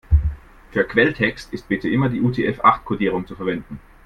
Für Quelltext ist bitte immer die UTF-acht-Kodierung zu verwenden.